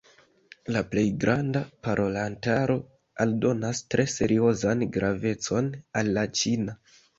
La plej granda parolantaro aldonas tre seriozan gravecon al la ĉina.